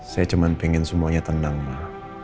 saya cuma pengen semuanya tenang mbak